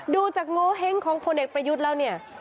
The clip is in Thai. ดูจากโงเห้งของพลเอกประยุทธ์แล้วเนี่ย